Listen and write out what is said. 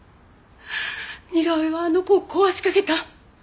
似顔絵はあの子を壊しかけた。